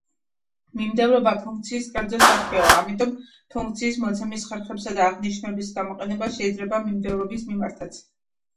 მიმდევრობა ფუნქციის კერძო სახეა, ამიტომ ფუნქციის მოცემის ხერხებისა და აღნიშვნების გამოყენება შეიძლება მიმდევრობის მიმართაც.